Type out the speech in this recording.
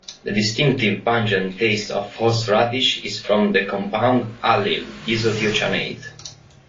The distinctive pungent taste of horseradish is from the compound allyl isothiocyanate.